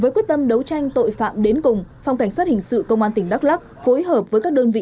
với quyết tâm đấu tranh tội phạm đến cùng phòng cảnh sát hình sự công an tỉnh đắk lắc phối hợp với các đơn vị